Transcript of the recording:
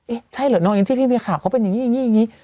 เอ๊ะใช่เหรอเนอะที่พี่มีข่าวเขาเป็นอย่างนี้อย่างนี้อย่างนี้